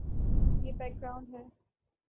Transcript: یہ background ہے۔